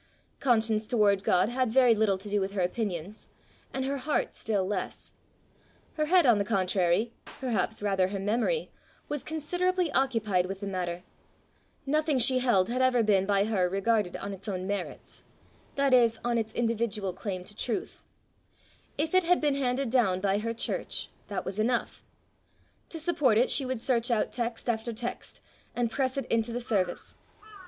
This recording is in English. Conscience toward God had very little to do with her opinions, and her heart still less. Her head on the contrary, perhaps rather her memory, was considerably occupied with the matter; nothing she held had ever been by her regarded on its own merits that is, on its individual claim to truth; if it had been handed down by her church, that was enough; to support it she would search out text after text, and press it into the service.